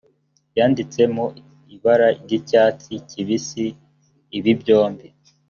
yanditse mu ibara ry icyatsi kibisi ibi byombi